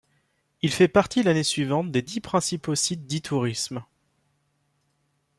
Il fait partie l'année suivante des dix principaux sites d'e-tourisme.